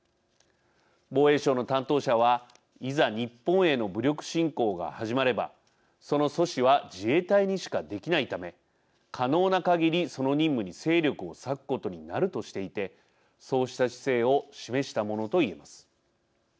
防衛省の担当者はいざ日本への武力侵攻が始まればその阻止は自衛隊にしかできないため可能なかぎりその任務に勢力を割くことになるとしていてそうした姿勢を示したものと言えます。